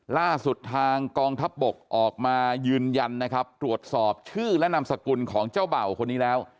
ล่าสุดทางกองทัพบกออกมายืนยันนะครับตรวจสอบชื่อและนามสกุลของเจ้าเบ่าคนนี้แล้ว